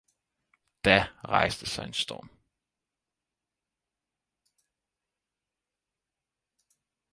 Da rejste sig en storm.